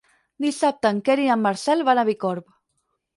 Dissabte en Quer i en Marcel van a Bicorb.